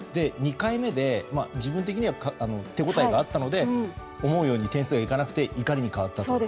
２回目で自分的には手応えがあったので思うように点数がいかなくて怒りに変わった。